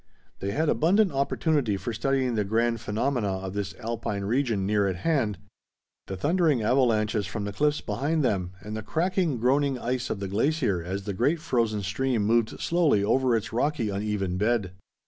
They had abundant opportunity for studying the grand phenomena of this Alpine region near at hand: the thundering avalanches from the cliffs behind them, and the cracking, groaning ice of the glacier as the great frozen stream moved slowly over its rocky uneven bed.